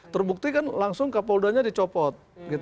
terbukti kan langsung kapoldanya dicopot